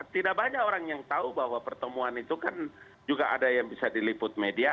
tidak banyak orang yang tahu bahwa pertemuan itu kan juga ada yang bisa diliput media